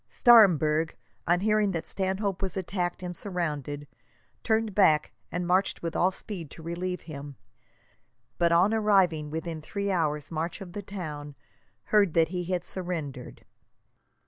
Staremberg, on hearing that Stanhope was attacked and surrounded, turned back and marched with all speed to relieve him, but on arriving within three hours' march of the town, heard that he had surrendered.